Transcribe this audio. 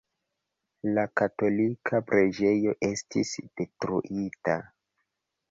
La katolika preĝejo estis detruita.